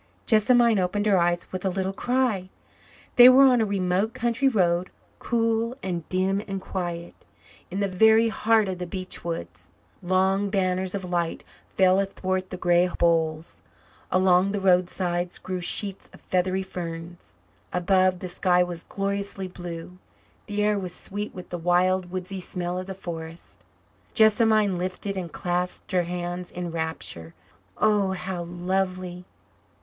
Jessamine opened her eyes with a little cry. They were on a remote country road, cool and dim and quiet, in the very heart of the beech woods. Long banners of light fell athwart the grey boles. Along the roadsides grew sheets of feathery ferns. Above the sky was gloriously blue. The air was sweet with the wild woodsy smell of the forest. Jessamine lifted and clasped her hands in rapture. "Oh, how lovely!"